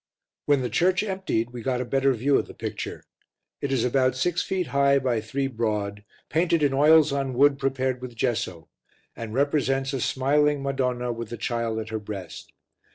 When the church emptied we got a better view of the picture. It is about 6 ft. high by 3 broad, painted in oils on wood prepared with gesso, and represents a smiling Madonna with the Child at her breast.